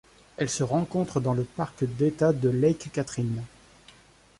Elle se rencontre dans le parc d'État de Lake Catherine.